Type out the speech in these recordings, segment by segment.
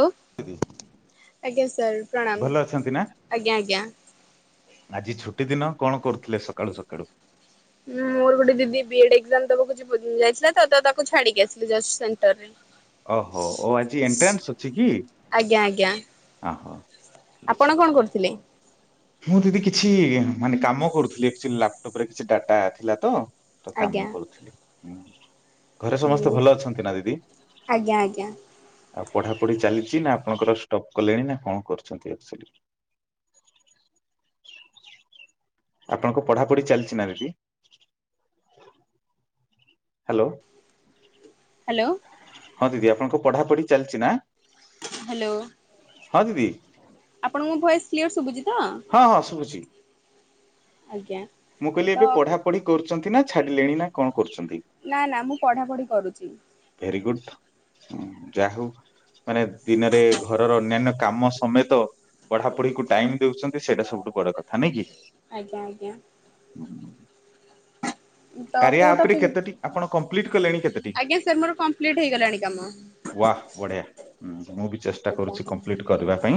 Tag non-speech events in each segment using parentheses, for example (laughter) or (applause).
ଆଉ ଆଜ୍ଞା ସାର୍। ପ୍ରଣାମ। ଭଲ ଅଛନ୍ତି ନା ଆଜ୍ଞା ଆଜ୍ଞା। ଆଜି ଛୁଟି ଦିନ କଣ କରୁଥିଲେ ସକାଳୁ ସକାଳୁ? ହୁଁ, ମୋର ଗୋଟେ ଦିଦି ବି ଏଡ ଏକ୍ସାମ ଦବାକୁ ଯିବ ଯାଇସାଲ ତ ତାକୁ ଛାଡିକି ଆସିଲି ଯଷ୍ଟ ସେଣ୍ଟର। (unintelligible) ଓହୋ ଓ ଆଜି ଏଣ୍ଟ୍ରାନ୍ସ ଅଛି କି ଆଜ୍ଞା ଆଜ୍ଞା ଆହା ଆପଣ ଅଛି? କଣ କରୁଥିଲେ। ମୁଁ ଜଦି କିଛି ମାନେ କାମ କରୁଥିଲି ଲାପଟପରେ କିଛି ଡାଟା ଥିଲା ତ। ତ ଆଜ୍ଞା କାମ କରୁଥିଲି ମୁଁ ହିଁ। ଘରେ ସମସ୍ତେ ଉଁ ଭଲ ଅଛନ୍ତି ନା ଦିଦି। ଆଜ୍ଞା ଆଜ୍ଞା ଆଉ ପଢାପଢି ଚାଲିଚି ନା ଆପଣଙ୍କର ଷ୍ଟପ୍ କଲେଣି ନା କଣ କରୁଛନ୍ତି ଏକ୍ସରେ। ଆପଣଙ୍କ ପଢାପଢି ଚାଲିଚି ନା ଦିଦି ହାଲୋ। ହାଲୋ ହଁ, ଦିଦି ଆପଣଙ୍କ ପଢାପଢି ଚାଲିଚି ନା? ହାଲୋ ହଁ, ଦିଦି। ଆପଣଙ୍କ ଭଏସ୍ କ୍ଲିୟର ଶୁଭୁଚି। ହଁ, ହଁ ଶୁଭୁଚି। ଆଜ୍ଞା। ମୁଁ କହିଲି ତ ଏବେ ପଢା ପଢି କରୁଚନ୍ତି ନା ଛାଡିଲେଣି ନା କଣ କରୁଚନ୍ତି? ନା ନା ମୁଁ ପଢାପଢି କରୁଚି। ଭେରିଗୁଡ୍ ଯାହା ହଉ। ମାନେ ଦିନରେ ଘରର ଅନ୍ୟାନ୍ୟ କାମ ସମେତ ପଢାପଢିକୁ ଟାଇମ୍ ଦଉଚନ୍ତି ସେଇଟା ସବୁଠୁ ବଡ କଥା ନାଇଁ କି? ଆଜ୍ଞା ଆଜ୍ଞା। (inaudible) ତ କାରିଆ କୋଉ ଆପରେ ଟପିକ କେତୋଟି ଆପଣ କମ୍ପ୍ଲିଟ କଲେଣି କେତୋଟି? ଆଜ୍ଞା ସାର୍ ମୋର କମ୍ପ୍ଲିଟ ହେଇଗଲାଣି କାମ ୱାହ ବଢଆ ମୁଁ ବି ଚେଷ୍ଟା ଆଜ୍ଞା କରୁଛି କମ୍ପ୍ଲିଟ କରିବା ପାଇଁ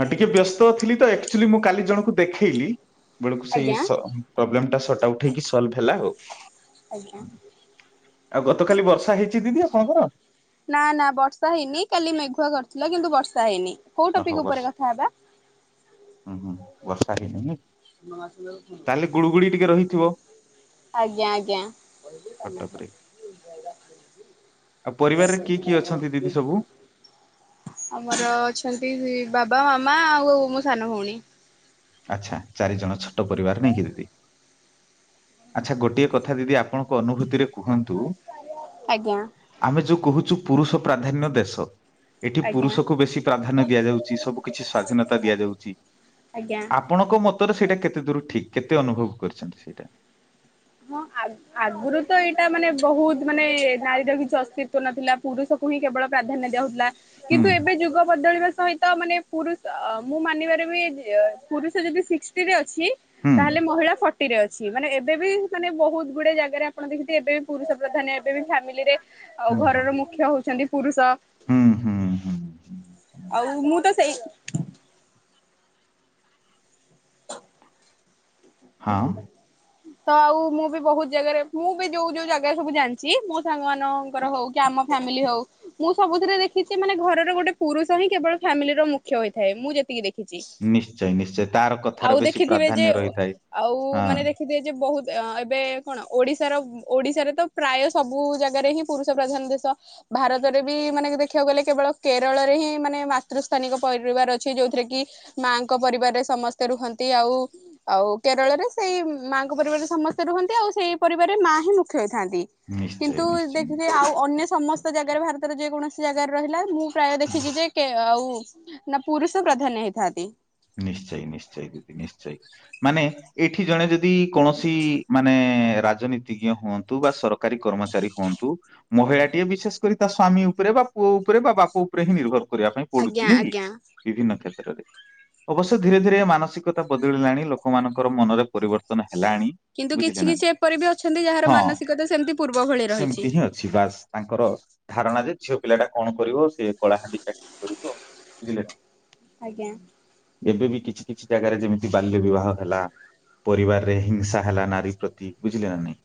ହଁ ଟିକେ ବ୍ୟସ୍ତ ଥିଲି ତ ଆକ୍ଚୁଆଲି ମୁଁ କାଲି ଜଣଙ୍କୁ ଦେଖେଇଲି। ‌ ବେଳକୁ ସେଇ ଆଜ୍ଞା ସ ପ୍ରୋବ୍ଲୋମ ସଟ ଆଉଟ ହେଇକି ସଲଭ ହେଲା ଆଉ ଆଜ୍ଞା। ଆଉ ଗତକାଲି ବର୍ଷା ହେଇଚି ଦିଦି ଆପଣଙ୍କର? ନା ନା ବର୍ଷା ହେଇନି କାଲି ମେଘୁଆ କରିଥିଲା କିନ୍ତୁ ବର୍ଷା ହେଇନି। କୋଉ ଆ ହଉ ଟପିକ ଉପରେ ବସ କଥା ହେବା? ହୁଁ ହୁଁ ବର୍ଷା ହେଇ ନି। ନ ଆସିଲେ ଆଉ କଣ କରିବା? ଗୁଳୁଗୁଳି ଟିକେ ରହିଥିବ। ଆଜ୍ଞା ଆଜ୍ଞା। କଟକରେ। ଆଉ ପରିବାରରେ କିଏ କିଏ ଅଛନ୍ତି ଦିଦି ସବୁ। ଆମର ଅଛନ୍ତି ବାବା ମାମା ଆଉ ମୋ ସାନ ଭଉଣୀ। ଆଚ୍ଛା ଚାରି ଜଣ ଛୋଟ ପରିବାର ନାଇକି ଦିଦି। ଆଚ୍ଛା ଗୋଟିଏ କଥା ଦିଦି ଆପଣଙ୍କ ଅନୁଭୂତିରେ କୁହନ୍ତୁ। ଆଜ୍ଞା। ଆମେ ଯୋଉ କହୁଚୁ ପୁରୁଷ ପ୍ରାଧାନ୍ୟ ଦେଶ ଏଠି ଆଜ୍ଞା ପୁରୁଷକୁ ବେଶୀ ପ୍ରାଧାନ୍ୟ ଦିଆଯାଉଛି ସବୁ କିଛି ସ୍ଵାଧୀନତା ଦିଆଯାଉଛି। ଆଜ୍ଞା। ଆପଣଙ୍କ ମତରେ ସେଇଟା କେତେ ଦୂର ଠିକ କେତେ ଅନୁଭବ କରିଛନ୍ତି ସେଇଟା। ହଁ ଆଗରୁ ତ ଏଇଟା ମାନେ ବହୁତ ମାନେ ନାରୀର କିଛି ଅସ୍ତିତଵ ନଥିଲା ପୁରୁଷ ହିଁ କେବଳ ପ୍ରାଧାନ୍ୟ ଦିଉଥିଲା ହୁଁ କିନ୍ତୁ ଏବେ ଯୁଗ ବଦଳିବା ସହିତ ତ ମାନେ ପୁରୁଷ ମୁଁ ମାନିବାର ବି ପୁରୁଷ ଯଦି ସିକ୍ସଟିରେ ଅଛି। ହୁଁ ତାହେଲେ ମହିଳା ଫଟିରେ ଅଛି ମାନେ ଏବେ ବି ମାନେ ବହୁତ ଗୁଡଏ ଜାଗାରେ ଆପଣ ଦେଖିଥେ ଏବେ ବି ପୁରୁଷ ପ୍ରଧାନ ଏବେ ବି ଫାମିଲ ରେ ଆଉ ହୁଁ ଘରର ମୁଖ୍ୟ ହଉଛନ୍ତି ପୁରୁଷ। ହୁଁ ହୁଁ ହୁଁ। ହୁଁ। ଆଉ ମୁଁ ତ ସେଇ ହ ହଁ (unintelligible) ତ ଆଉ ମୁଁ ବି ବହୁତ ଜାଗାରେ ମୁଁ ବି ଯୋଉ ଯୋଉ ଜାଗାରେ ସବୁ ଜାଣିଛି ମୋ ସାଙ୍ଗ ମାନଙ୍କର ହଉଛି। ଆମ ଫ୍ୟାମିଲି ହଉ। ମୁଁ ସବୁଥିରେ ଦେଖିଛି ମାନେ ଘରର ଗୋଟେ ପୁରୁଷ ହିଁ କେବଳ ଫ୍ୟାମିଲି ର ମୁଖ୍ୟ ହୋଇଥାଏ ମୁଁ ଯେତିକି ଦେଖି ନିଶ୍ଚୟ ନିଶ୍ଚୟ ତାର କଥାର ବେଶୀ ଦେଖିଥିବେ ଯେ ପ୍ରାଧାନ୍ୟ ରହିଥାଏ। ଆଉ ହଁ ମାନେ ଦେଖିଦିେ ଯେ ବହୁତ ଏବେ କଣ ଓଡିଶାର ଓଡିଶାରେ ତ ପ୍ରାୟ ସବୁ ଜାଗାରେ ହିଁ ପୁରୁଷ ପ୍ରଧାନ ଦେଶ ଭାରତରେ ବି ମାନେ ଦେଖିବାକୁ ଗଲେ କେବଳ କେରଳରେ ହିଁ ମାନେ ମାତୃସ୍ଥାନିକ ପରିବାର ଅଛି ଯୋଉଥିରେ କି ମାଙ୍କ ପରିବାରରେ ସମସ୍ତେ ରୁହନ୍ତି ଆଉ ଆଉ। କେରଳରେ ସେଇ ମାଆଙ୍କ ପରିବାରରେ ସମସ୍ତେ ରୁହନ୍ତି ଆଉ ସେଇ ପରିବାରରେ ମା ହିଁ ମୁଖ୍ୟ ହୋଇଥାନ୍ତି। ନିଶ୍ଚୟ କିନ୍ତୁ ନିଶ୍ଚୟ ଦେଖଥ ନିଶ୍ଚୟ ଆଉ ଅନ୍ୟ ସମସ୍ତ ଜାଗାରେ ଭାରତର ଯେ କୌଣସି ଜାଗାରେ ରହିଲା ମୁଁ ପ୍ରାୟ ଦେଖିଛି ଯେ ଆଉ ନା ପୁରୁଷ ପ୍ରାଧାନ୍ୟ ହେଇଥାନ୍ତି। ନିଶ୍ଚୟ ନିଶ୍ଚୟ ଦିଦି ନିଶ୍ଚୟ ମାନେ ଏଠି ଜଣେ ଯଦି କୌଣସି ମାନେ ରାଜନୀତିଜ୍ଞ ହୁଅନ୍ତୁ ବା ସରକାରୀ କର୍ମଚାରୀ ହୁଅନ୍ତୁ। ମହିଳାଟିଏ ବିଶେଷ କରି ତା ସ୍ଵାମୀ ଉପରେ ବା ପୁଅ ଉପରେ ବାପା ଉପରେ ହିଁ ନିର୍ଭର କର କରିବା ପାଇଁ ଆଜ୍ଞା ପଡୁଛି ନାଇ କି ଆଜ୍ଞା। ବିଭିନ୍ନ କ୍ଷେତ୍ରରେ। ଅବଶ୍ୟ ଧୀରେ ଧୀରେ ମାନସିକତା ବଦଳିଲାଣି ଲୋକମାନଙ୍କ ମନରେ ପରିବର୍ତ୍ତନ ହେଲାଣି କିନ୍ତୁ କିଛି ବୁଝିଲେ ନା କିଛି ଏପରି ବି ଅଛନ୍ତି ଯାହାର ହଁ ମାନସିକତା ସେମିତି ପୂର୍ବ ଭଳି ରହିଛି। ସେମିତି ହିଁ ଅଛି। ଶିବାସ (inaudible) ତାଙ୍କର ଧାରଣା ଯେ ଝିଅ ପିଲା ଟା କଣ କରିବ ସେ କଳାହାଣ୍ଡି ଚାକିରି କରିବ ବୁଝିଲେ ନା। ଆଜ୍ଞା। ଏବେ ବି କିଛି କିଛି ଜାଗାରେ ଯେମିତି ବାଲ୍ୟ ବିବାହ ହେଲା। ପରିବାର ରେ ହିଂସା ହେଲା ନାରୀ ପ୍ରତି ବୁଝିଲେ ନା ନାଇଁ।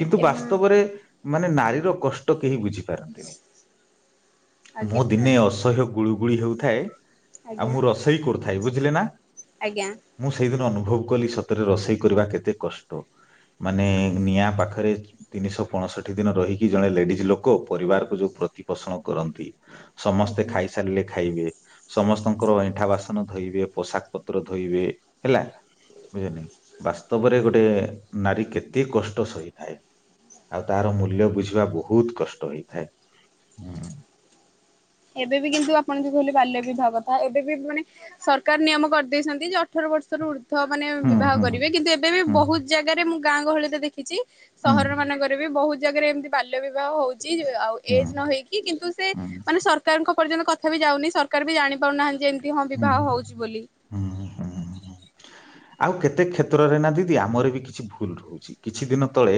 କିନ୍ତୁ ଏବେ ବାସ୍ତବରେ ମାନେ ନାରୀର କଷ୍ଟ ତ କେହି ବୁଝି ପାରନ୍ତିନି ଆଜ୍ଞା ମୁଁ ଦିନେ ଅସହ୍ୟ ଗୁଳୁଗୁଳି ହେଉଥାଏ ଆଉ ଆଜ୍ଞା ମୁଁ ରସଇ କରୁଥାଏ ବୁଝିଲେ ନା। ଆଜ୍ଞା। ମୁଁ ସେଇଦିନ ଅନୁଭବ କଲି ସତରେ ରୋଷେଇ କରିବା କେତେ କଷ୍ଟ। ମାନେ ନିଆଁ ପାଖରେ ତିନିଶହ ପଞ୍ଚଷଠି ଦିନ ରହିକି ଜଣେ ଲେଡିଜ ଲୋକ ପରିବାରକୁ ଯୋଉ ପ୍ରତିପୋଷଣ କରନ୍ତି ସମସ୍ତେ ଆଜ୍ଞା। ଖାଇସାରିଲେ ଖାଇବେ ସମସ୍ତଙ୍କର ଅଇଁଠା ବାସନ ଧୋଇବେ ପୋଷାକ ପତ୍ର ଧୋଇବେ ହେଲା। ବୁଝିଲେ କି ବାସ୍ତବରେ ଗୋଟେ ନାରୀ କେତେ କଷ୍ଟ ସହିଥାଏ। ଆଉ ତାର ମୂଲ୍ୟ ବୁଝିବା ବହୁତ କଷ୍ଟ ହେଇଥାଏ। ଏବେ ବି କିନ୍ତୁ ଆପଣ ଯଦି କହିଲେ ବାଲ୍ୟ ବିବାହ କଥା ଏବେ ବି ମାନେ ସରକାର ନିୟମ କରିଦେଇଛନ୍ତି ଯେ ଅଠର ବର୍ଷରୁ ଥ ମାନେ ହୁଁ ହୁଁ ବିବାହ ହୁଁ କରିବେ କିନ୍ତୁ ଏବେ ବି ହୁଁ ବହୁତ ଜାଗାରେ ମୁଁ ଗାଁ ଗହଳିରେ ଦେଖିଛି ହୁଁ ସହର ମାନଙ୍କରେ ବି ବହୁତ ଜାଗାରେ ଏମିତି ବାଲ୍ୟ ବିବାହ ହଉଛି ଆଉ ହୁଁ ଏଜ ନ ହେଇକି କି କିନ୍ତୁ ସେ ହୁଁ ମାନେ ସରକାରଙ୍କ ପର୍ଯ୍ୟନ୍ତ କଥା ବି ଯାଉନି ସରକାର ବି ଜାଣି ପାରୁନାହାନ୍ତି ଯେ ଦି ହଁ ହୁଁ ବିବାହ ହଉଛି ବୋଲି। ହୁଁ ହୁଁ। ଆଉ କେତେ କ୍ଷେତ୍ରରେ ନା ଦିଦି ଆମର ବି କିଛି ଭୁଲ ରହୁଛି କିଛି ଦିନ ତଳେ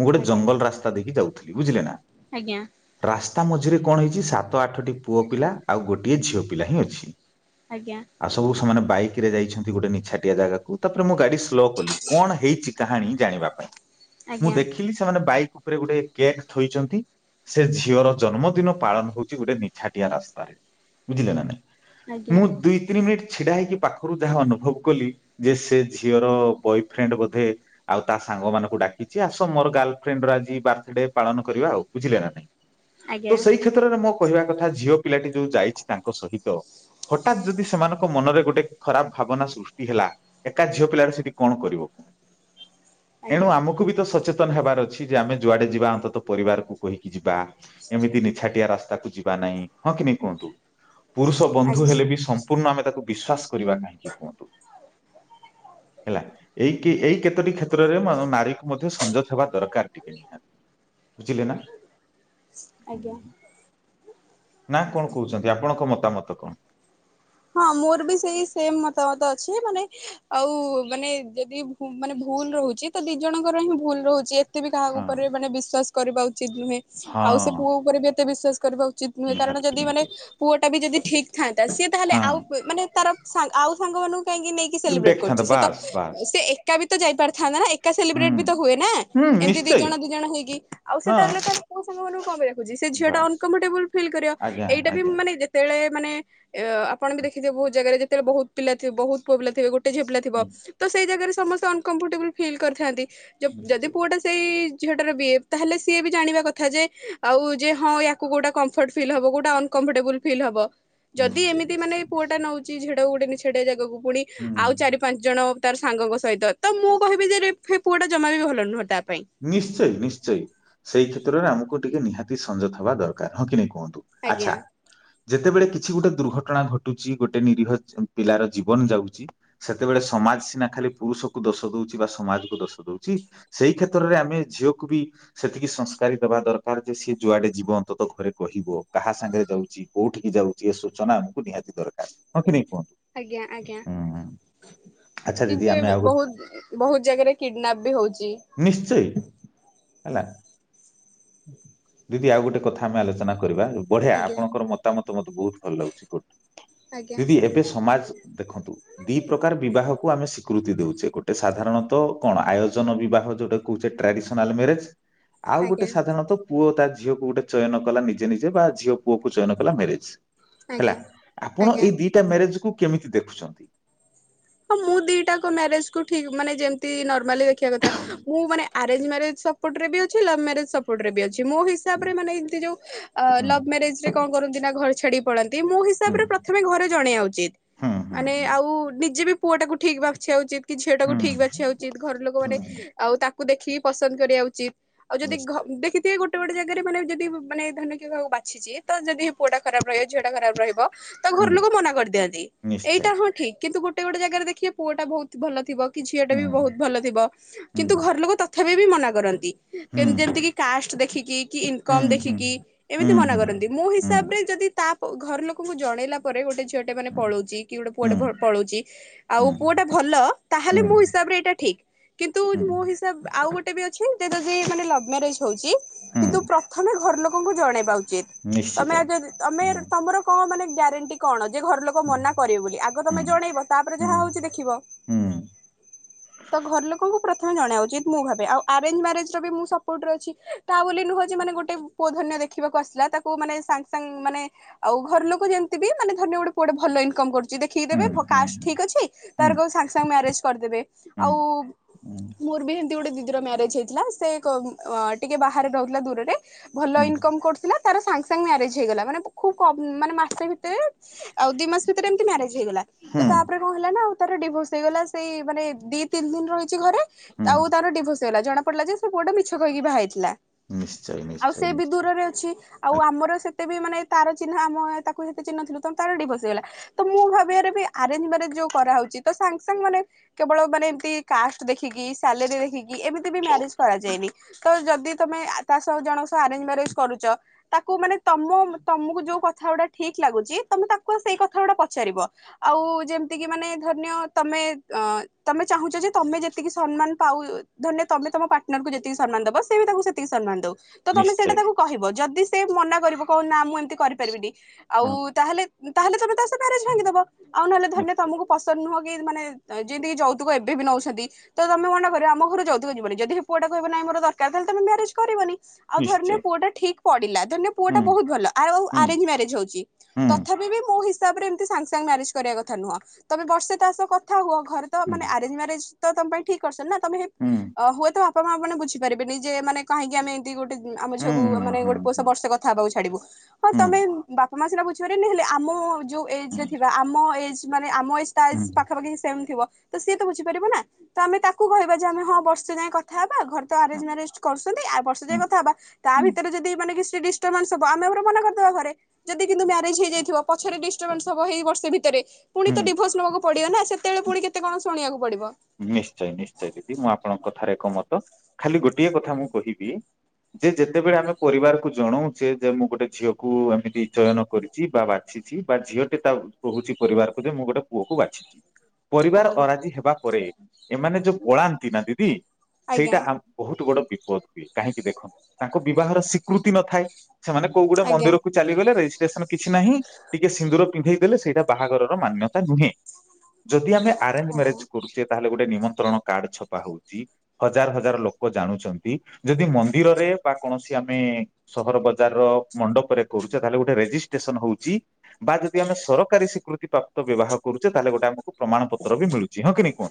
ମୁଁ ଗୋଟେ ଆଜ୍ଞା ଜଙ୍ଗଲ ରାସ୍ତା ଦେଇକି ଯାଉଥିଲି ବୁଝିଲେ ନା। ଆଜ୍ଞା। ରାସ୍ତା ମଝିରେ କଣ ହେଇଛି ସାତ ଆଠଟି ପୁଅ ପିଲା ଆଉ ଗୋଟିଏ ଝିଅ ପିଲା ହିଁ ଅଛି। ଆଜ୍ଞା। ଆଉ ସବୁ ସେମାନେ ବାଇକ ରେ ଯାଇଛନ୍ତି ଗୋଟେ ନିଛାଟିଆ ଜାଗାକୁ ତାପରେ ମୁଁ ଗାଡି ସ୍ଲୋ କଲି କଣ ହେଇଛି କାହାଣୀ ଜାଣିବା ପାଇଁ ମୁଁ ଦେଖିଲି ସେମାନେ ବାଇକ୍ ଉପରେ ଗୋଟେ କେକ୍ ଥୋଇଚନ୍ତି। ସେ ଝିଅର ଜନ୍ମଦିନ ପାଳନ ହଉଛି ଗୋଟେ ନିଛାଟିଆ ରାସ୍ତାରେ ବୁଝିଲେ ନା ନାଇଁ। ମୁଁ ଦୁଇ ତିନି ମିନିଟ୍ ଛିଡା ହେଇକି ପାଖରୁ ଯାହା ଅନୁଭବ କଲି ଯେ ସେ ଝିଅର ବୟଫ୍ରେଣ୍ଡ ବୋଧେ ଆଉ ତା ସାଙ୍ଗ ମାନଙ୍କୁ ଡାକିଛି ଆସ ମୋର ଗାର୍ଲଫ୍ରେଣ୍ଡ ର ଆଜି ବାର୍ଥଡେ ପାଳନ କରିବା ଆଉ ବୁଝିଲେ ନା। ଆଜ୍ଞା। ତ ସେଇ କ୍ଷେତ୍ରରେ ମୋ କହିବା କଥା ଝିଅ ପିଲାଟି ଯୋଉ ଯାଇଛି ତାଙ୍କ ସହିତ ହଠାତ୍ ଯଦି ସେମାନଙ୍କ ମନରେ ଗୋଟେ ଖରାପ ଭାବନା ସୃଷ୍ଟି ହେଲା ଏକା ଝିଅ ପିଲା ସେଠୀ କଣ କରିବ। ଏଣୁ ଆଜ୍ଞା। ଆମକୁ ବି ତ ସଚେତନ ହେବାର ଅଛି ଯେ ଆମେ ଯୁଆଡେ ଯିବା ଅନ୍ତତଃ ପରିବାରକୁ କହିକି ଯିବା ଏମିତି ନିଛାଟିଆ ରାସ୍ତାକୁ ଯିବା ନାହିଁ ହଁ କି ନାଇଁ କୁହନ୍ତୁ ପୁରୁଷ ବନ୍ଧୁ ଆଜ୍ଞା ହେଲେ ବି ସମ୍ପୂର୍ଣ୍ଣ ଆମେ ତାକୁ ବିଶ୍ୱାସ କରିବା କାହିଁକି? ହେଲା ଏଇ ଏଇ କେତୋଟି କ୍ଷେତ୍ରରେ ନାରୀ ମଧ୍ୟ ସଂଯୋତ ହେବା ଦରକାର ଟିକେ ବୁଝିଲେ ନା। ଆଜ୍ଞା। ନା କଣ କହୁଛନ୍ତି ଆପଣଙ୍କ ମତାମତ କଣ? ହଁ ମୋର ବି ସେଇ ସେମ ମତାମତ ଅଛି ମାନେ ଆଉ ମାନେ ଯଦି ମାନେ ଭୁଲ ରହୁଛି ତ ଦି ଜଣଙ୍କର ହିଁ ଭୁଲ ରହୁଛି। ଏତେ ବି କାହା ହଁ ଉପରେ ମାନେ ବିଶ୍ୱାସ କରିବା ଉଚିତ ନୁହେଁ ଆଉ ସେ ହଁ ପୁଅ ଉପରେ ବି ଏତେ ବିଶ୍ଵାସ କରିବା ଉଚିତ ନୁହେଁ କାରଣ ନିହାତି ଯଦି ମାନେ ନିହାତି ପୁଅଟା ବି ଯଦି ଠିକ୍ ଥାନ୍ତା ସିଏ ତାହେଲେ ହଁ ଆଉ ମାନେ ତାର ଆଉ ସାଙ୍ଗମାନନଙ୍କୁ କାହିଁକି ନେଇକି ସେଲିବ୍ରେଟ ଦେଖିଥାନ୍ତା କରୁଛି ସେ ତ ବାସ୍ ବାସ୍। ସେ ଏକା ବି ତ ଯାଇ ପାରଥାନ୍ତା ନା। ଏକା ହୁଁ ସେଲିବ୍ରେଟ ବି ତ ହୁଏନା। ହୁଁ ଏମିତି ଦି ନିଶ୍ଚୟ ଜଣ ଦିଇ ଜଣ ହେଇକି ଆଉ ହଁ ସେତାହେଲେ ଟା ପୁଅ ସାଙ୍ଗ ମାନଙ୍କୁ କଣ ପାଇଁ ଡାକୁଛି ସେ ଝିଅ ଟା ବାସ୍ ଅନକମ୍ଫଟେବୁଲ ଫିଲ୍ କରିବ। ଆଜ୍ଞା ଏଇଟା ବି ଆଜ୍ଞା ମାନେ ଯେ ତେବେଳେ ମାନେ ଆପଣ ବି ଦେଖିଥିବେ ବହୁତ ଜାଗାରେ ଯେତେବେଳେ ବହୁତ ପିଲା ଥିବେ ବହୁତ ପୁଅ ପିଲାଥିବେ ଗୋ ଟେ ଝିଅ ପିଲା ଥିବ ହୁଁ, ତ ସେଇ ଜାଗାରେ ସମସ୍ତେ ଅନକମ୍ଫର୍ଟେବୁଲ ଫିଲ୍ କରିଥାନ୍ତି ଯ ଯଦି ନିଶ୍ଚୟ। ପୁଅଟା ସେଇ ଝିଅଟାର ବିଏଫ ତାହେଲେ ସିଏ ବି ଜାଣିବା କଥା ଯେ ଆଉ ଯେ ହଁୟାକୁ କୋଉଟା କମ୍ଫର୍ଟ ଫିଲ୍ ହବ କୋଉଟା ଅନକମ୍ଫର୍ଟେବୁଲ ଫିଲ୍ ହବ ଯଦି ନିଶ୍ଚୟ ଏମିତି ମାନେ ନିଶ୍ଚୟ ପୁଅଟା ନିଶ୍ଚୟ ନଉଛି ଝିଅଟା କୁ ଗୋଟେ ନିଛାଟିଆ ଜାଗାକୁ ପୁଣି ହୁଁ ଆଉ ଚାରି ପାଞ୍ଚ ଜଣ ତାର ସାଙ୍ଗଙ୍କ ସହିତ ତ ମୁଁ କହିବି ଯେ (unintelligible) ପୁଅଟା ଜମା ବି ଭଲ ନୁହଁ ତା ପାଇଁ। ନିଶ୍ଚେୟ ନିଶ୍ଚେୟ ସେଇ କ୍ଷେତ୍ରରେ ଆମକୁ ଟିକେ ନିହାତି ସଞ୍ଜତ ହବା ଦରକାର ହଁ କି ନାଇଁ କୁହନ୍ତୁ? ଆଜ୍ଞା ଆଚ୍ଛା। ଯେତେବେଳେ କିଛି ଗୋଟେ ଦୁର୍ଘଟଣା ଘଟୁଛି ଗୋଟେ ନିରୀହ ପିଲାର ଜୀବନ ଯାଉଛି ସେତେବେଳେ ସମାଜ ସିନା ଖାଲି ପୁରୁଷକୁ ଦୋଷ ଦଉଛି ବା ସମାଜକୁ ଦୋଷ ଦଉଛି ସେଇ କ୍ଷେ ତ୍ରରେ ଆମେ ଝିଅକୁ ବି ସେତିକି ସଂସ୍କାରୀ ଦବା ଦରକାର ଯେ ସିଏ ଯୁଆଡ଼େ ଯିବ ଅନ୍ତତଃ ଘରେ କହିବ କାହା ସାଙ୍ଗରେ ଯାଉଚି। କୋଉଠିକି ଯାଉଛି ଏ ସୂଚନା ଆମକୁ ନିହାତି ଦରକାର ହଁ କି ନାଇଁ କୁହ? ଆଜ୍ଞା ଆଜ୍ଞା ଆଚ୍ଛା ଦିଦି କିନ୍ତୁ ଆମେ ଏବେ ଆଉ ଗୋଟେ ବହୁତ ବହୁତ ଜାଗାରେ କିଡ଼ନାପ୍ ବି ହଉଛି। ନିଶ୍ଚୟ ହେଲା। ଦିଦି ଆଉ ଗୋଟେ କଥା ଆମେ ଆଲୋଚନା କରିବା ବଢ଼ିଆ ଆଜ୍ଞା ଆପଣଙ୍କର ମତାମତ ମତେ ବହୁତ ଭଲ ଲାଗୁଛି କୋ ଆଜ୍ଞା ଦିଦି ଏବେ ସମାଜ ଦେଖନ୍ତୁ ଦି ପ୍ରକାର ବିବାହକୁ ଆମେ ଶି ସ୍ୱୀକୃତି ଦଉଛେ ଗୋଟେ ସାଧାରଣତ କଣ ଆୟୋଜନ ବିବାହ ଯୋଉଟା କହୁଛେ ଟ୍ରାଡିସନାଲ ମ୍ୟାରେଜ। ଆଉ ଗୋଟେ ଆଜ୍ଞା ସାଧାରଣତଃ ପୁଅ ତା ଝିଅକୁ ଗୋଟେ ଚୟନ କଲା ନିଜେ ନିଜେ ବା ଝିଅ ପୁଅକୁ ଚୟନ କଲା ମ୍ୟାରେଜ। ହେଲା ଆଜ୍ଞା ଆପଣ ଆଜ୍ଞା। ଏଇ ଦିଟା ମ୍ୟାରେଜକୁୁ କେମିତି ଦେଖୁଛନ୍ତି? ହଁ ମୁଁ ଦିଟା କ ମ୍ୟାରେଜ କୁ ଠିକ୍ ମାନେ ଯେମିତି ନର୍ମାଲି ଦେଖିବା କଥା ମୁଁ ମାନେ ଆରେଞ୍ଜ ମ୍ୟାରେଜ ସ ପଟ୍ ରେ ବି ଅଛି ଲଭ୍ ମ୍ୟରେଜ୍ ସପୋର୍ଟ ରେ ବି ଅଛି ମୋ ହିସାବରେ ମାନେ ଏମିତି ଯଉ ଆ ହୁଁ ଲଭ୍ ମ୍ୟାରେଜ୍ କଣ କରନ୍ତି ନା ଘରେ ଛାଡ଼ି ପଳାନ୍ତି ମୋ ହୁଁ ହିସାବରେ ପ୍ରଥମେ ଘରେ ଜଣେଇବା ଉଚିତ ହୁଁ ହୁଁ ମାନେ ହୁଁ ଆଉ ନିଜେ ବି ପୁଅ ଟାକୁ ଠିକ୍ ବାଛିବା ଉଚିତ କି ଝିଅଟାକୁ ହୁଁ ଠିକ୍ ବାଛିବା ଉଚିତ ଘର ଲୋକମାନେ ହୁଁ ଆଉ ତାକୁ ଦେଖିକି ପସନ୍ଦ କରିବା ଉଚିତ ଆଉ ଯଦି ଘ ନିଶ୍ଚୟ ଦେଖିଥିବେ ଗୋ ଗୋଟ ଗୋଟେ ଜାଗାରେ ମାନେ ଯଦି ମାନେ ଧରିନିଅ କିଏ କାହାକୁ ବାଛିଚି ତ ଯଦି ପୁଅଟା ଖରାପ ରହିବ ଝିଅଟା ଖରାପ ରହିବ ତା ଘର ହୁଁ ଲୋକ ମନା କରିଦିଅନ୍ତି ନିଶ୍ଚୟ ଏଇଟା ହଁ ଠିକ୍ କିନ୍ତୁ ଗୋ ଟେ ଗୋଟେ ଜାଗାରେ ଦେଖିବେ ପୁଅଟା ବହୁତ ଭଲ ଥିବ କି ଝିଅ ଟା ବି ହୁଁ ବହୁତ ଭଲ ଥିବ ହୁଁ କିନ୍ତୁ ଘରଲୋକ ତଥ ଥାବୀ ବି ମନା କରନ୍ତି ହୁଁ କେମିତି ଯେମିତି କି କାଷ୍ଟ ଦେଖିକି କି ଇନକମ୍ ଦେଖିକି। ଏମିତି ମନା କରନ୍ତି ମୋ ହିସାବ ରେ ଯଦି ତା ପ ଘର ଲୋକଙ୍କୁ ଜଣେଇଲା ପରେ ଗୋଟେ ଝି ଅ ଟେ ମାନେ ପଳଉଛି କି ଗୋଟେ ପୁଅ ଟେ ଘର ପଳଉଛି। ଆଉ ପୁଅଟେ ଭଲ ତାହେଲେ ମୋ ହିସାବରେ ଏଇଟା ଠିକ୍। କିନ୍ତୁ ମୁଁ ହିସାବ ଆଉ ଗୋଟେ ବି ଅ ଛି ଯଦି ମାନେ ଲଭ୍ ମ୍ୟାରେଜ୍ ହଉଛି କିନ୍ତୁ ପ୍ରଥମେ ଘର ଲୋକଙ୍କୁ ଜଣେଇବ। ଯାଉଚି ତମେ ଆଗେ ତମେ ତମର କଣ ମାନେ ଗ୍ୟାରେଣ୍ଟି କଣ ଯେ ଘର ଲୋକ ମନା କରିବେ ବୋଲି ଆଗ ତମେ ଜଣେଇବ। ତାପରେ ଯାହା ହଉଛି ଦେଖିବ ତ ଘର ଲୋକଙ୍କୁ ପ୍ରଥମେ ଜଣେଆ ଉଚିତ୍ ମୁଁ ଭାବେ ଆଉ ଆରେଞ୍ଜ ମ୍ୟାରେଜ୍ ର ବି ମୁ ସପୋର୍ଟ ରେ ଅଛି ତା ବୋଲି ନୁହଁ ଯେ ମାନେ ଗୋଟେ ପୁଅ ଧରି ନିଅ ଦେଖିବାକୁ ଆସିଲା ତାକୁ ମାନେ ସାଙ୍ଗେ ସାଙ୍ଗ ମାନେ ଆଉ ଘର ଲୋକ ଯେମିତି କି ମାନେ ଧରି ନିଅ ଗୋଟେ ପୁଟେ ଭଲ ଇନକମ୍ କରୁଛି ଦେଖିକି ଦେବେ କାଷ୍ଟ ଠିକ ଅଛି ତାର କ ସାଙ୍ଗେ ସାଙ୍ଗେ ମ୍ୟାରେଜ୍ କରିଦେବେ ଆଉ ମୋର ବି ହେମିତି ଗୋଟେ ଦିଦିର ମ୍ୟାରେଜ୍ ହେଇଥିଲା ସେ କ ଟିକେ ବାହାରେ ରହୁଥିଲା ଦୂରରେ। ଭଲ ଇନକମ କରୁଥିଲା ତାର ସାଙ୍ଗେ ସାଙ୍ଗେ ମ୍ୟାରେଜ ହେଇଗଲା ମାନେ ଖୁବ କମ୍ ମାନେ ମାସେ ଭିତରେ ଆଉ ଦି ମାସ ଭିତରେ ଏମିତି ମ୍ୟାରେଜ ହେଇଗଲା ତ ତାପରେ କଣ ହେଲା ନା ତାର ଡିଭୋର୍ସ ହେଇଗଲା ସେଇ ମାନେ ଦି ତିନି ଦିନ ରହିଛି ଘରେ। ଆଉ ତାର ଡିଭୋସ ହେଇଗଲା। ଜଣା ପଡିଲା ଯେ ସେ ପୁଅଟା ମିଛ କହିକି ବାହା ହେଇଥିଲା। ଆଉ ସେ ବି ଦୂରରେ ଅଛି। ଆଉ ଆମର ସେ ଏତେ ବି ମାନେ ତାର ଚିନ୍ହା ଆମେ ତାକୁ ସେତେ ଚିହିଁ ନଥିଲୁ ତ ତାର ଡିଭୋର୍ସ ହେଇଗଲା। ତ ମୁଁ ଭାବିବାରେ ବି ଆରେଞ୍ଜ ମ୍ୟାରେଜ ଯୋଉ କରାହଉଚି ତ ସାଙ୍ଗ ସାଙ୍ଗ ମାନେ କେବଳ ମାନେ ଏମତି କାଷ୍ଟ ଦେଖିକି ସାଲେରୀ ଦେଖିକି ଏମିତି ବି ମ୍ୟାରେଜ କରାଯାଏନି। ତ ଯଦି ତମେ ତା ସବୁ ଜଣ ସହ ଆରେଞ୍ଜ୍ ମ୍ୟାରେଜ୍ କରୁଚ ତାକୁ ମାନେ ତମ ତମକୁ ଯୋଉ କଥା ଗୁଡା ଠିକ ଲାଗୁଚି, ତମେ ତାକୁ ସେଇ କଥା ଗୁଡା ପଚାରିବ। ଆଉ ଯେମିତିକି ମାନେ ଧରିନିଅ ତମେ ଅ ତମେ ଚାହୁଁଛ ଯେ ତମେ ଯେତିକି ସମ୍ମାନ ପାଉ ଧରିନିଅ ତମେ ତମ ପାର୍ଟନର କୁ ଯେତିକି ସମ୍ମାନ ଦବ ସେ ବି ତାଙ୍କୁ ସେତିକି ସମ୍ମାନ ଦଉ। ତ ତମେ ସେଇଟା ତାକୁ କହିବ ଯଦି ସେ ମନା କରିବ କହିବ ନା ମୁଁ ଏମିତି କରିପାରିବିନି ଆଉ ତାହେଲେ ତାହେଲେ ତମେ ତା ସହ ମ୍ୟାରେଜ୍ ଭାଙ୍ଗିଦବ, ଆଉ ନହେଲେ ଧନ୍ୟ ତମକୁ ପସନ୍ଦ ନୁହେଁ କି ମାନେ ଯେମିତିକ ଯୌତୁକ ଏବେ ବି ନଉଛନ୍ତି। ତମେ କଣଟା କରିବ ଆମ ଘରୁ ଯଉତୁକ ଯିବନି ଯଦି ପୁଅଟା କହିବ କି ଆମର ଦରକାର ତାହେଲେ ତମେ ମ୍ୟାରେଜ କରିବନି। ଆଉ ଧରିନିଅ ପୁଅ ଟା ଠିକ ପଡିଲା ଧରିନିଅ ପୁଅ ଟା ବହୁତ ଭଲ। ଆଉ ଆରେ୍ଜ ମ୍ୟାରେଜ ହଉଚି। ତଥାପି ବି ମୋ ହିସାବରେ ଏମତି ସାଙ୍ଗେ ସାଙ୍ଗେ ମ୍ୟାରେଜ କରିବା କଥା ନୁହଁ। ତମେ ବର୍ଷେ ତା ସହ କଥା ହୁଅ। ଘରେ ତ ମାନେ ଆରେଞ୍ଜ ମ୍ୟାରେଜ ତମ ପାଇଁ ଠିକ କରିସନ୍ତି ନା ତମେ ଆପଣ ହୁଏତ ବାପ ମାଆ ମାନେ ବୁଝିପାରିବେନି ଯେ ମାନେ କାହିଁକି ଆମେ ଏମତି ଗୋଟେ ଆମ ଝିଅକୁ ମାନେ ଗୋଟେ ପଷ ବର୍ଷଥା ଥା ପାଖକୁ ଛାଡିବୁ ହଁ ତମେ ବାପା ମା ସିନା ବୁଝିପାରିବନି ହେଲେ ଆମ ଯୋଉ ଏଜ୍ ଦେଖିବ ଆମ ଏଜ ମାନେ ଆମ ଏଜ ତା ଏଜ ପାଖପାଖି ସେମ୍ ଥିବ। ତ ସିଏ ତ ବୁଝିପାରିବ ନା। ତ ଆମେ ତାକୁ କହିବା ଯେ ଆମେ ହଁ ବର୍ଷେ ଯାଏଁ କଥା ହେବା। ଘରେ ତ ଆରେଞ୍ଜ ମ୍ୟାରେଜ କରୁଛନ୍ତି, ଆଉ ବର୍ଷେ ଯାଏ କଥା ହେବା। ତା ଭିତରେ ଯଦି ମାନେ କି ଡିଷ୍ଟର୍ବାନ୍ସ ହବ ଆମେ ଘରେ ମନା କରିଦେବା ଘରେ। ଯଦି କିନ୍ତୁ ମ୍ୟାରେଜ୍ ହେଇଯାଇଥିବ ପଛରେ ଡିଷ୍ଟବାନ୍--ସ୍ ଥବ ହେଇ ବର୍ଷ ଭିତରେ ପୁଣି ତ ଡିଭୋର୍ସ ନେବାକୁ ପଡିବ ନା ସେତେବେଳେ ପୁଣି କେତେ କଣ ଶୁଣିବାକୁ ପଡିବ। ନିଶ୍ଚୟ ନିଶ୍ଚୟ ଦିଦି ମୁଁ ଆପଣଙ୍କ କଥାରେ ଏକ ମତ, ଖାଲି ଗୋଟିଏ କଥା ମୁଁ କହିବି ଯେ ଯେତେବେଳେ ଆମେ ପରିବାରକୁ ଜଣଉଛେ ଯେ ମୁଁ ଗୋଟେ ଝିଅକୁ ଏମିତି ଚୟନ କରି ଛି ବାଛିଚି ବା ଝିଅଟି ତା କହୁଛି ପରିବାରକୁ ଯେ ମୁଁ ଗୋଟେ ପୁଅକୁ ବାଛିଛି ପରିବାର ଆଜ୍ଞା ଅରାଜି ହେବା ପରେ ଏମାନେ ଯୋଉ ପଳାନ୍ତି ନା ଦିଦି ସେଇଟା ଆଜ୍ଞା ବହୁତ ବଡ ବିପତି ହୁଏ କାହିଁକି ଦେଖନ୍ତୁ ତାଙ୍କ ବିବାହର ସ୍ୱୀକୃତି ନଥାଏ ସେମାନେ କୋଉ ଗୁଟେ ଆଜ୍ଞା ମନ୍ଦିରକୁ ଚାଲିଗଲେ ରେଜିଷ୍ଟ୍ରେସନ କିଛି ନାହିଁ ଟିକେ ସିନ୍ଦୁର ପିନ୍ଧେଇ ଦେଲେ ସେଇଟା ବାହାଘରର ମାନ୍ୟତା ନୁହେଁ। ଯଦି ଆମେ ଆରେଞ୍ଜ ଆଜ୍ଞା ମ୍ୟାରେଜ କରୁଚେ, ତାହେଲେ ଗୋଟେ ନିମନ୍ତ୍ରଣ କାର୍ଡ ଛପା ହଉଚି। ହଜାର ହଜାର ଲୋକ ଜାଣୁଚନ୍ତି। ଯଦି ମନ୍ଦିରରେ ବା କୌଣସି ଆମେ ସହର ବଜାର ମଣ୍ଡପରେ କରୁଛ ତାହେଲେ ଗୋଟେ ରେଜିଷ୍ଟ୍ରେସନ ହଉଛି ବା ଯଦି ଆମେ ସରକାରୀ ସିକୃତି ପ୍ରାପ୍ତ ବ୍ୟବହାର କରୁଛେ ତାହେଲେ ଗୋଟେ ଆମ ପ୍ରମାଣ ପତ୍ର ବି ମିଳୁଚି ହଁ କିି ନାଇଁ କୁହ?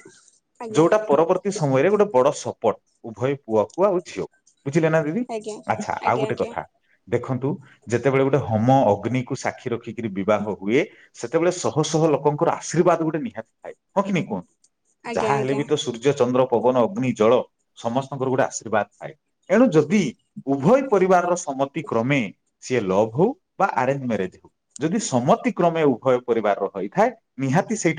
ଆଜ୍ଞା ଯୋଉଟା ପରବର୍ତ୍ତୀ ସମୟରେ ଗୋଟେ ବଡ ସପୋଟ, ଉଭୟ ପୁଅକୁ ଆଉ ଝିଅକୁ ବୁଝିଲେ ନା। ଦିଦି ଆଚ୍ଛା ଆଜ୍ଞା ଆଜ୍ଞା ଆଉ ଆଜ୍ଞା ଗୋଟେ କଥା ଦେଖନ୍ତୁ ଯେତେବେଳେ ଗୋଟେ ହୋମ ଅଗ୍ନିକୁ ସାକ୍ଷୀ ରଖିକିରି ବିବାହ ହୁଏ। ସେତେବେଳେ ଶହ ଶହ ଲୋକଙ୍କର ଆଶୀର୍ବାଦ ଗୋଟେ ନିହାତି ଥାଏ ହଁ କି ନାଇଁ କୁହ? ଆଜ୍ଞା ଯାହା ହେଲେ ଆଜ୍ଞା ବି ତ ସୂର୍ଯ୍ୟ ଚନ୍ଦ୍ର ପବନ ଅଗ୍ନି ଜଳ ସମସ୍ତଙ୍କର ଗୋଟେ ଆଶୀର୍ବାଦ ଥାଏ। ଏଣୁ ଯଦି ଉଭୟ ପରିବାରର ସମ୍ମତି କ୍ରମେ ସିଏ ଲଭ୍ ହଉ ବା ଆରେଞ୍ଜ ମ୍ୟାରେଜ ହଉ। ଯଦି ସମତିକ୍ରମେ ଉଭୟ ପରିବାରର ହୋଇଥାଏ ନିହାତି ସେଇଠା